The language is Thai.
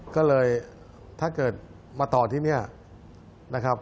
ก็เลยถ้าเกิดมาต่อที่นี่นะครับ